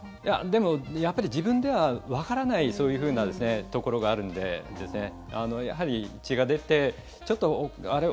でも、やっぱり自分ではわからないそういうふうなところがあるのでやはり血が出てあれ？